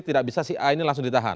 tidak bisa si a ini langsung ditahan